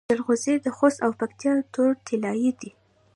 جلغوزي د خوست او پکتیا تور طلایی دي.